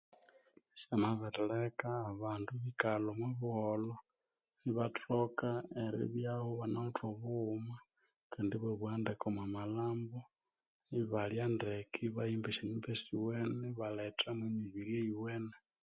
Syamabirileka abandu ibikalha omwabuholho ibathoka eribyaho ebanawethe obughuma kandi ebabugha ndeke omumalambo Ibalyandeke Ibahimba eshonyumba esyowene ibaletha nemibiri eyowene